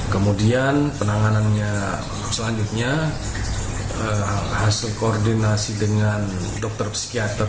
kemudian penanganannya selanjutnya hasil koordinasi dengan dokter psikiater